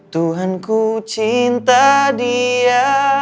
tuhanku cinta dia